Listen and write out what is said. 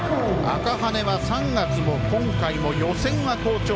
赤羽根は３月も今回も予選は好調。